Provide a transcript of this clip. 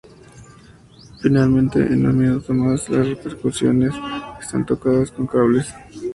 Finalmente, en "Un minuto más", las percusiones están tocadas con cables.